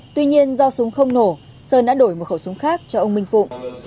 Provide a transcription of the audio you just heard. tuy nhiên do súng không nổ sơn đã đổi một khẩu súng khác cho ông minh phụng